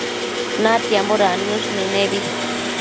natiambo dannësh nënebi